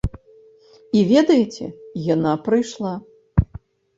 І ведаеце, яна прыйшла!